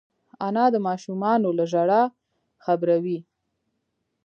انا د ماشومانو له ژړا خبروي